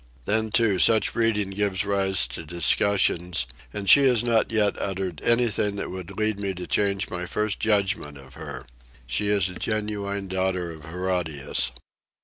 Then, too, such reading gives rise to discussions, and she has not yet uttered anything that would lead me to change my first judgment of her. She is a genuine daughter of Herodias.